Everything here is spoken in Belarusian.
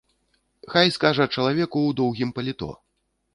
Хай скажа чалавеку ў доўгім паліто.